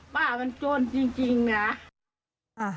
ป้ามันจนจริงนะ